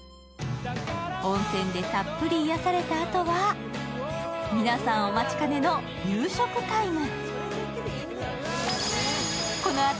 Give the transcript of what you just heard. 温泉でたっぷり癒やされたあとは皆さんお待ちかねの夕食タイム。